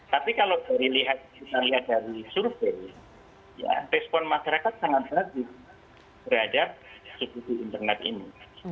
tapi kalau dilihat dari survei respon masyarakat sangat berat terhadap studi internet ini